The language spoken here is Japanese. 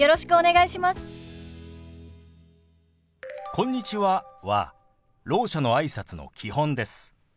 「こんにちは」はろう者のあいさつの基本です。